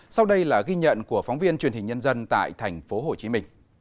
sau đây là ghi nhận của phóng viên truyền hình nhân dân tại tp hcm